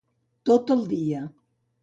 Tot el dia.